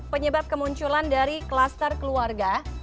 penyebab kemunculan dari kluster keluarga